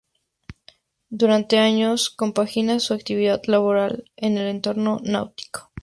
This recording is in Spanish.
Durante años compagina su actividad laboral con el entorno náutico.